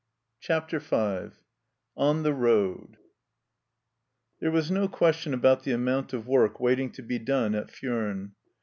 CHAPTER V ON THE ROAD THERE was no question about the amount of work waiting to be done at Furnes.